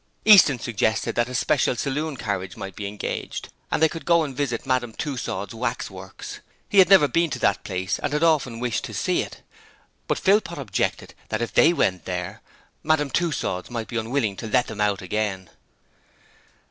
Easton suggested that a special saloon carriage might be engaged, and they could go and visit Madame Tussaud's Waxworks. He had never been to that place and had often wished to see it. But Philpot objected that if they went there, Madame Tussaud's might be unwilling to let them out again.